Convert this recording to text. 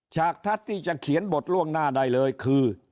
ฉากทัศน์ที่จะเขียนบทล่วงหน้าได้เลยคือ